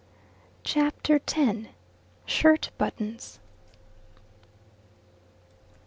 CHAPTER X. SHIRT BUTTONS.